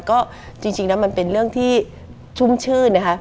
ก็จริงแล้วมันเป็นเรื่องที่ชุ่มชื่นนะคะ